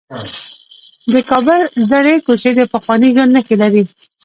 د کابل زړې کوڅې د پخواني ژوند نښې لري.